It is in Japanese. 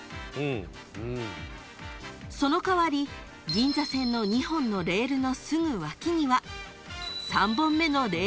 ［その代わり銀座線の２本のレールのすぐ脇には］